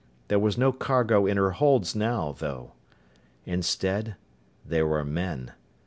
There was no cargo in her holds now, though. Instead, there were men.